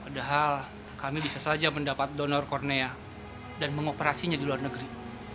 padahal kami bisa saja mendapat donor cornea dan mengoperasinya di luar negeri